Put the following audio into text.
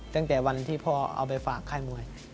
ตั้งแต่วันที่พ่อเอาไปฝากค่ายมวย